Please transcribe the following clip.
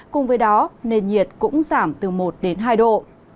cùng với đó nền nhiệt cũng giảm từ một đến hai độ